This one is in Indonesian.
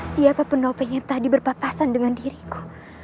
siapa penuh pengen tadi berpapasan dengan diriku